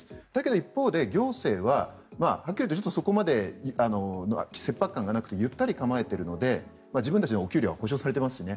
一方で行政ははっきり言ってそこまで切迫感がなくてゆったり構えているので自分たちのお給料は保証されていますからね。